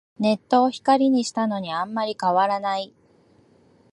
ネットを光にしたのにあんまり変わらない